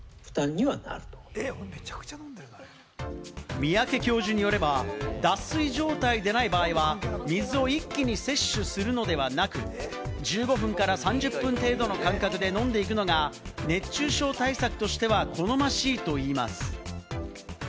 三宅教授によれば、脱水状態でない場合は、水を一気に摂取するのではなく、１５分から３０分程度の間隔で飲んでいくのが、熱中症対策としては好ましいといいます。